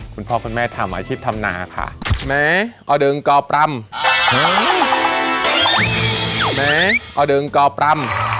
คุณพ่อคุณแม่ทำอาชีพทำนาค่ะแหมอดึงกอปรำแหมอดึงกอปรำ